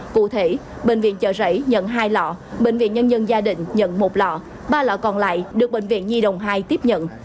cụ thể bệnh viện chợ rẫy nhận hai lọ bệnh viện nhân dân gia định nhận một lọ ba lọ còn lại được bệnh viện nhi đồng hai tiếp nhận